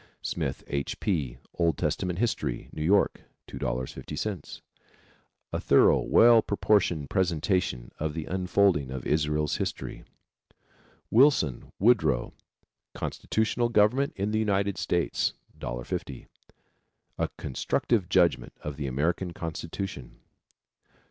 Smith, H. P., Old Testament History. New York, $2.50. A thorough, well proportioned presentation of the unfolding of Israel's history. Wilson, Woodrow, Constitutional Government in the United States. $1.50. A constructive judgment of the American constitution.